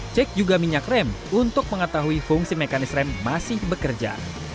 cek juga minyak rem untuk mengetahui fungsi mekanis rem masih bekerja